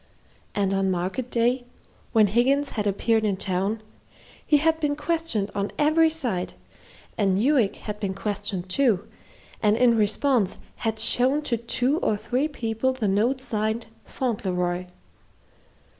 And on market day, when Higgins had appeared in town, he had been questioned on every side, and Newick had been questioned too, and in response had shown to two or three people the note signed "Fauntleroy."